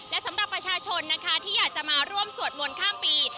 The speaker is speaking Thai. และสำหรับประชาชนนะคะที่อยากจะมาร่วมสวดมนต์ข้ามปี